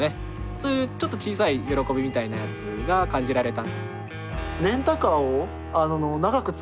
そういうちょっと小さい喜びみたいなやつが感じられた。